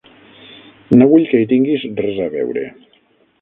No vull que hi tinguis res a veure.